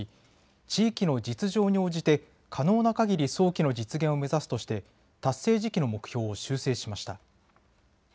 地域の実情に応じて可能なかぎり早期の実現を目指すとして達成時期の目標を修正しました。